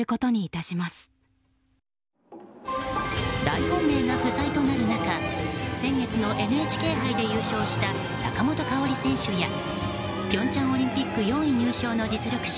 大本命が不在となる中先月のＮＨＫ杯で優勝した坂本花織選手や平昌オリンピック４位入賞の実力者